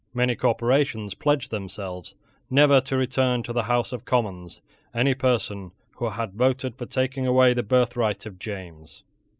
Many corporations pledged themselves never to return to the House of Commons any person who had voted for taking away the birthright of James.